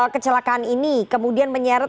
kecelakaan ini kemudian menyeret